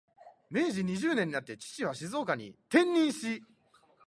明治二十年になって、父は静岡に転任し、